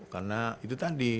karena itu tadi